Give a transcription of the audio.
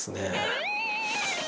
え！